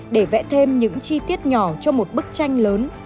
để vẽ thêm những chi tiết nhỏ cho một bức tranh lớn